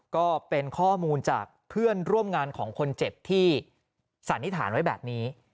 ก็เป็นข้อมูลจากเพื่อนร่วมงานของคนเจ็บที่สันนิษฐานไว้แบบนี้